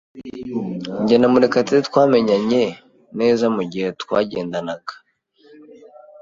Jye na Murekatete twamenyanye neza mugihe twagendanaga.